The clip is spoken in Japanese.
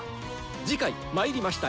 次回「魔入りました！